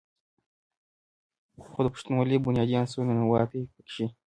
خو د پښتونولۍ بنيادي عنصر "ننواتې" پکښې